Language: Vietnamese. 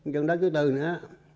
chôn đất chú tư nữa